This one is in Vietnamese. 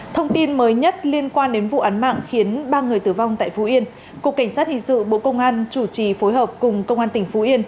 thông tin mới nhất liên quan đến vụ án mạng khiến ba người tử vong tại phú yên cục cảnh sát hình sự bộ công an chủ trì phối hợp cùng công an tỉnh phú yên